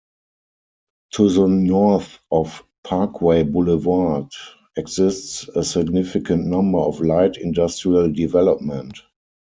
To the north of Parkway Boulevard exists a significant number of light industrial development.